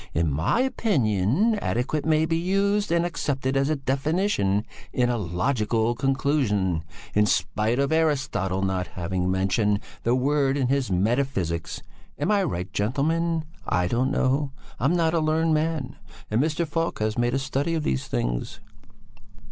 In my opinion adequate may be used and accepted as a definition in a logical conclusion, in spite of Aristotle not having mentioned the word in his Metaphysics. Am I right, gentlemen? I don't know, I'm not a learned man and Mr. Falk has made a study of these things."